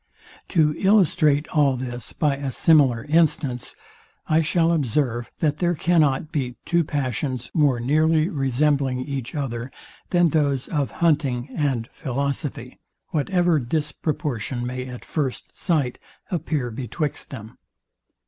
To illustrate all this by a similar instance, I shall observe, that there cannot be two passions more nearly resembling each other, than those of hunting and philosophy, whatever disproportion may at first sight appear betwixt them.